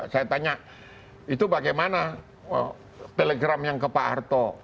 saya tanya itu bagaimana telegram yang ke pak harto